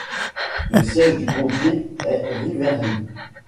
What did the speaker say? Le siège du comté est Riverhead.